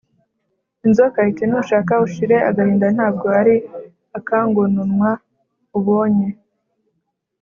» inzoka iti « nushaka ushire agahinda nta bwo ari akangononwa ubonye,